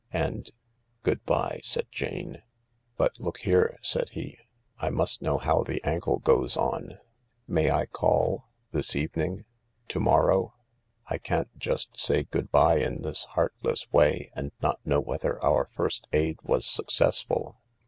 And ..." "Good bye," said Jane. " But look here," said he. " I must know how the ankle goes on. May I call— this evening— to morrow ? I can't just say good bye in this heartless way, and not know whether our first aid was successful."